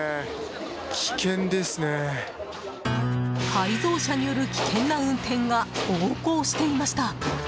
改造車による危険な運転が横行していました。